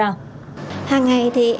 hàng ngày thì em nhận được